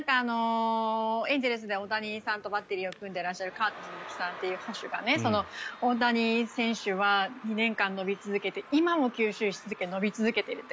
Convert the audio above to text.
エンゼルスで大谷さんとバッテリーを組んでるスズキさんという捕手が、大谷選手は２年間伸び続けて今も吸収し続け伸び続けていると。